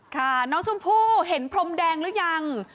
ค่ะน้องชมพู่เห็นพรมแดงหรือยัง